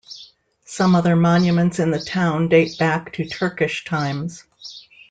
Some other monuments in the town date back to Turkish times.